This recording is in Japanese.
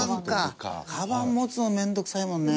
かばん持つの面倒くさいもんね。